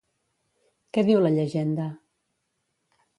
Què diu la llegenda?